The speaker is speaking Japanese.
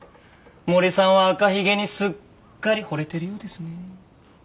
森さんは赤ひげにすっかりほれてるようですねえ。